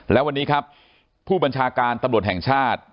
และวันนี้ครับผู้บัญชาการตำรวจแห่งชาติ